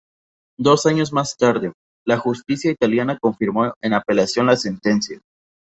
Dos años más tarde, la justicia italiana confirmó en apelación la sentencia.